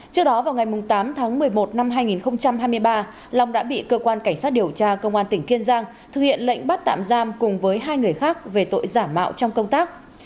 trước đó vào ngày tám tháng một mươi một năm hai nghìn hai mươi ba long đã bị cơ quan cảnh sát điều tra công an tỉnh kiên giang thực hiện lệnh bắt tạm giam cùng với hai người khác về tội giả mạo trong công tác